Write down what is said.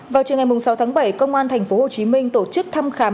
vào chiều ngày sáu tháng bảy công an tp hcm tổ chức thăm khám